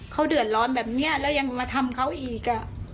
เขาเดือดร้อนแบบนี้แล้วยังมาทำเขาอีก